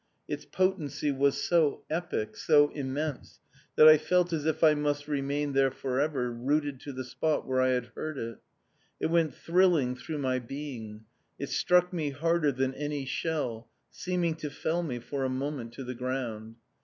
Its potency was so epic, so immense, that I felt as if I must remain there for ever rooted to the spot where I had heard it.... It went thrilling through my being. It struck me harder than any shell, seeming to fell me for a moment to the ground....